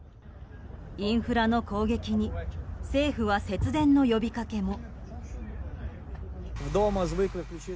インフラの攻撃に政府は節電の呼びかけも。